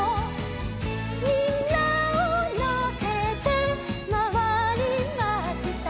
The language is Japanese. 「みんなをのせてまわりました」